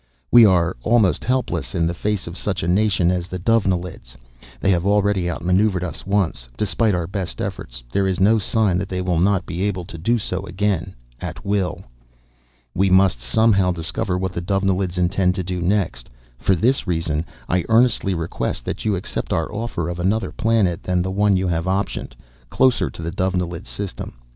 "We are almost helpless in the face of such a nation as the Dovenilids. They have already outmaneuvered us once, despite our best efforts. There is no sign that they will not be able to do so again, at will. "We must, somehow, discover what the Dovenilids intend to do next. For this reason, I earnestly request that you accept our offer of another planet than the one you have optioned, closer to the Dovenilid system.